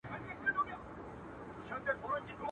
لاس دي رانه کړ اوبو چي ډوبولم.